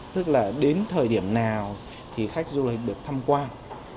tức là đến thời điểm nào thì khách du lịch được tham quan